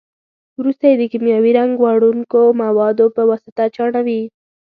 وروسته یې د کیمیاوي رنګ وړونکو موادو په واسطه چاڼوي.